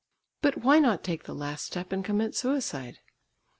But why not take the last step and commit suicide?